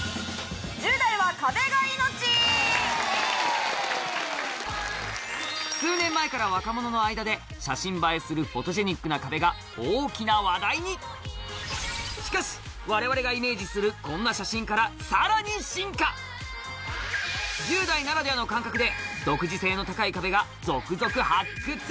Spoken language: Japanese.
・数年前から若者の間で写真映えするフォトジェニックな壁が大きな話題にしかし我々がイメージするこんな１０代ならではの感覚で独自性の高い壁が続々発掘！